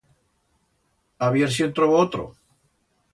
A vier si en trobo otro.